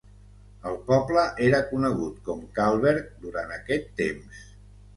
El poble era conegut com Kahlberg durant aquest temps.